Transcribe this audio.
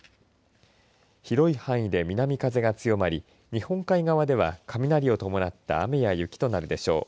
広い範囲で南風が強まり日本海側では雷を伴った雨や雪となるでしょう。